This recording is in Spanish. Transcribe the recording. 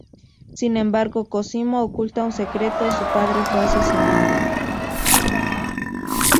Sin embargo Cosimo oculta un secreto, su padre fue asesinado.